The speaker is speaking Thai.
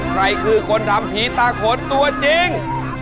ใครคือคนทำผีตาโขนตัวจริง